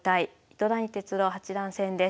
糸谷哲郎八段戦です。